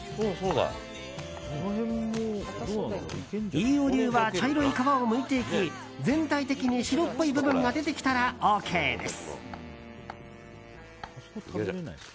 飯尾流は茶色い皮をむいていき全体的に白っぽい部分が出てきたらＯＫです。